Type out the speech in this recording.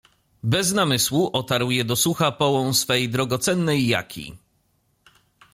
Bez namysłu otarł je do sucha połą swej drogocennej jaki.